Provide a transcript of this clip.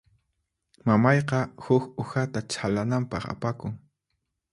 Mamayqa huk uhata chhalananpaq apakun.